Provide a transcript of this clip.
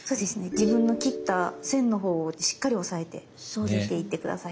自分の切った線のほうをしっかり押さえて切っていって下さい。